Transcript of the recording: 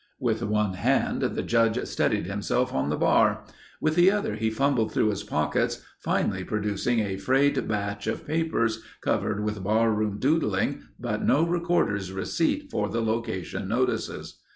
With one hand the Judge steadied himself on the bar. With the other he fumbled through his pockets, finally producing a frayed batch of papers, covered with barroom doodling, but no recorder's receipt for the location notices.